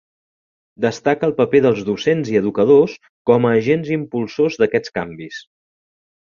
Destaca el paper dels docents i educadors com a agents impulsors d'aquests canvis.